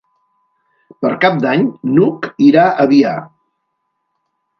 Per Cap d'Any n'Hug irà a Biar.